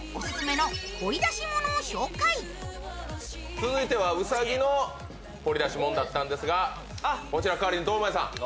続いては兎の掘り出し物だったんですが代わりに堂前さん。